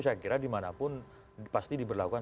saya kira dimanapun pasti diberlakukan